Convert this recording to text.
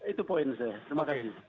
itu poin saya terima kasih